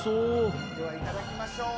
ではいただきましょう。